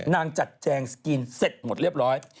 จัดแจงสกรีนเสร็จหมดเรียบร้อย